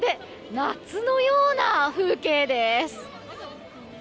夏のような風景です。